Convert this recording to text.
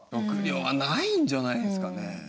食料はないんじゃないですかね？